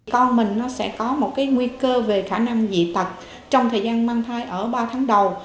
con mình nó sẽ có một nguy cơ về khả năng dị tật trong thời gian mang thai ở ba tháng đầu